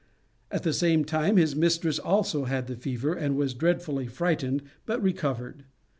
At the same time his mistress also had the fever, and was dreadfully frightened, but recovered.